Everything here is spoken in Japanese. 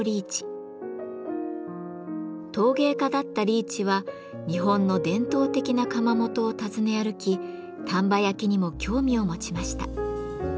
陶芸家だったリーチは日本の伝統的な窯元を訪ね歩き丹波焼にも興味を持ちました。